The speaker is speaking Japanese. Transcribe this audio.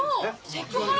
セクハラ！